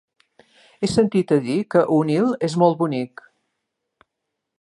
He sentit a dir que Onil és molt bonic.